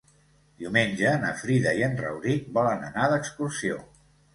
Diumenge na Frida i en Rauric volen anar d'excursió.